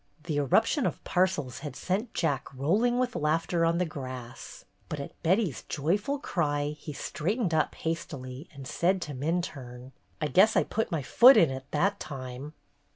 The eruption of parcels had sent Jack roll ing with laughter on the grass, but at Betty's joyful cry he straightened up hastily and said to Minturne: "I guess I put my foot in it that time!"